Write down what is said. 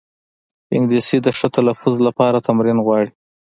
انګلیسي د ښه تلفظ لپاره تمرین غواړي